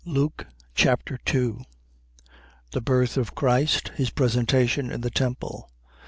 Luke Chapter 2 The birth of Christ. His presentation in the temple.